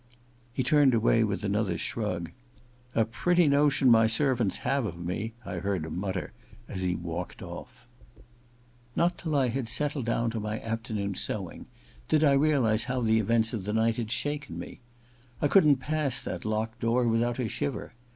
He turned away with another shrug. *A pretty notion my servants have of me !' I neard him mutter as he walked off. Not till I had settled down to my afternoon's sewing did I realize how the events of the night had shaken me. I couldn't pass that locked door without a shiver.